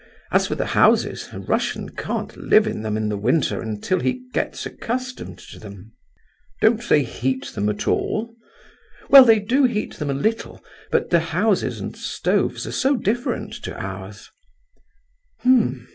As for the houses—a Russian can't live in them in the winter until he gets accustomed to them." "Don't they heat them at all?" "Well, they do heat them a little; but the houses and stoves are so different to ours."